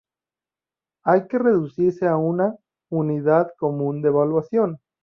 Hay que reducirse a una "unidad común de valuación".